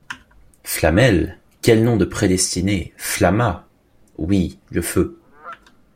Flamel! quel nom de prédestiné, Flamma !— Oui, le feu.